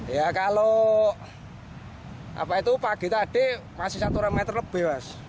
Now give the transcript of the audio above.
ya kalau pagi tadi masih satu meter lebih mas